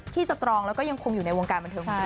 สตรองแล้วก็ยังคงอยู่ในวงการบันเทิงของเรา